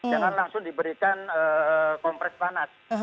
jangan langsung diberikan kompres panas